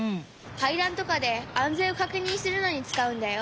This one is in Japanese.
かいだんとかであんぜんをかくにんするのにつかうんだよ。